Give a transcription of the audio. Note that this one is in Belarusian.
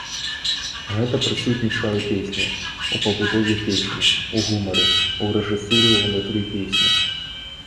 Гэта прысутнічае ў песні, у пабудове песень, у гумары, у рэжысуры ўнутры песні.